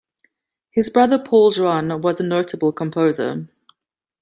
His brother Paul Juon was a notable composer.